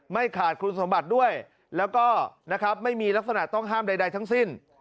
ไม่ขาดคุณสมบัติด้วยแล้วก็นะครับไม่มีลักษณะต้องห้ามใดทั้งสิ้น